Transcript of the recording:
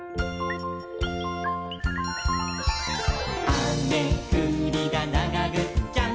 「あめふりだ、ながぐっちゃん！！」